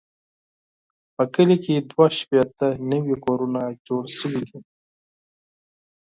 په کلي کې دوه شپېته نوي کورونه جوړ شوي دي.